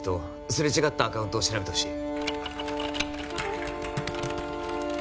すれ違ったアカウントを調べてほしい